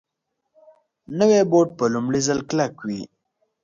نوی بوټ په لومړي ځل کلک وي